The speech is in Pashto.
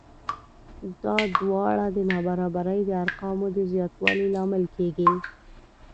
دا دواړه د نابرابرۍ د ارقامو د زیاتوالي لامل کېږي